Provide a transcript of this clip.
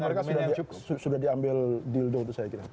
mereka sudah diambil dealdo itu saya kira